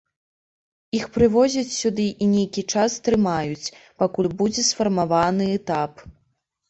Іх прывозяць сюды і нейкі час трымаюць, пакуль будзе сфармаваны этап.